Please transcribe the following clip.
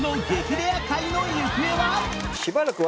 レア回の行方は